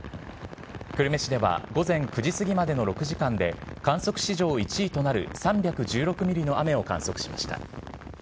久留米市では、午前９時過ぎまでの６時間で、観測史上１位となる３１６ミリの雨を観測しました。